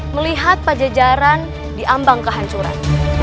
melihat pajajaran diambang kehancuran